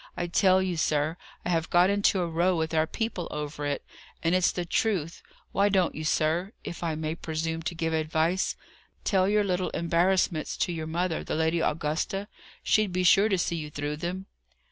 I tell you, sir, I have got into a row with our people over it; and it's the truth. Why don't you, sir if I may presume to give advice tell your little embarrassments to your mother, the Lady Augusta? She'd be sure to see you through them."